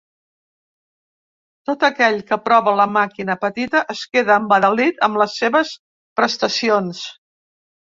Tot aquell que prova la màquina petita es queda embadalit amb seves prestacions.